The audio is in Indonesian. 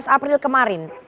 sebelas april kemarin